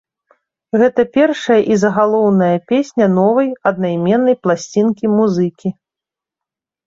Гэта першая і загалоўная песня новай, аднайменнай пласцінкі музыкі.